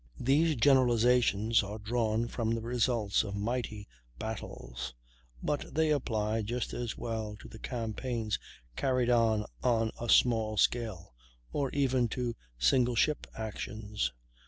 These generalizations are drawn from the results of mighty battles, but they apply just as well to the campaigns carried on on a small scale, or even to single ship actions.